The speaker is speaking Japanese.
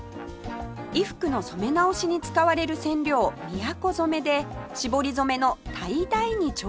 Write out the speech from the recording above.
衣服の染め直しに使われる染料みやこ染で絞り染めのタイダイに挑戦